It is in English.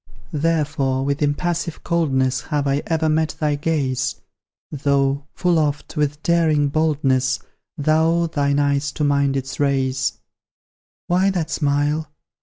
Therefore, with impassive coldness Have I ever met thy gaze; Though, full oft, with daring boldness, Thou thine eyes to mine didst raise. Why that smile?